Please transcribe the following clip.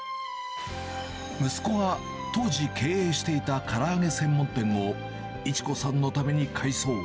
息子が当時経営していたから揚げ専門店を、市子さんのために改装。